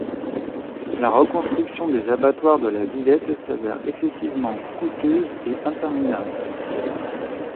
La reconstruction des abattoirs de la Villette s'avère excessivement coûteuse et interminable.